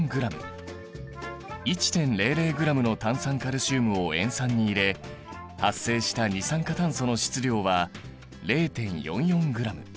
１．００ｇの炭酸カルシウムを塩酸に入れ発生した二酸化炭素の質量は０．４４ｇ。